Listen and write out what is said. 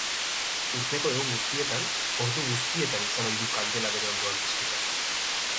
Urteko egun guztietan, ordu guztietan izan ohi du kandela bere ondoan piztuta.